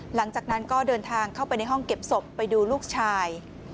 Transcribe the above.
หลังจากนั้นก็เดินทางเข้าไปในห้องเก็บศพไปดูลูกชาย